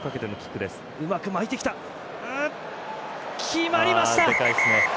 決まりました！